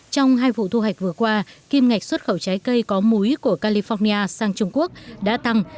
trong hai vụ thu hoạch vừa qua kim ngạch xuất khẩu trái cây có múi của california sang trung quốc đã tăng